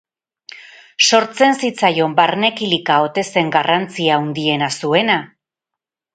Sortzen zitzaion barne-kilika ote zen garrantzia handiena zuena?